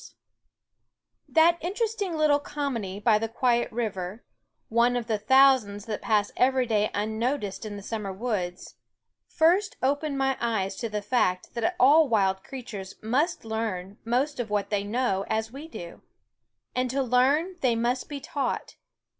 THE WOODS & That interesting little comedy by the quiet river, one of the thousands that pass every ^~>,_ j * j ^*&\ Onffielvby day unnoticed in the summer woods, first fo School opened my eyes to the fact that all wild creatures must learn most of what they know as we do; and to learn they must be taught.